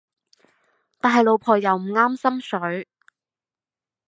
但係老婆又唔啱心水